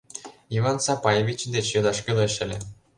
— Иван Сапаевич деч йодаш кӱлеш ыле.